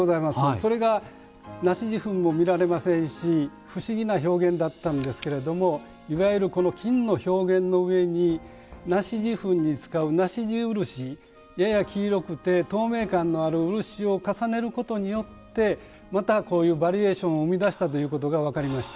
それが梨子地粉も見られませんし不思議な表現だったんですけれどもいわゆるこの金の表現の上に梨子地粉に使う梨子地漆やや黄色くて透明感のある漆を重ねることによってまたこういうバリエーションを生み出したということが分かりました。